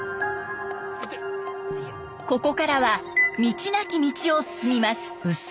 ここからは道なき道を進みます。